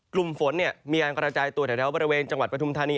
กลุ่มฝนมีการกระจายตัวแถวบริเวณจังหวัดปฐุมธานี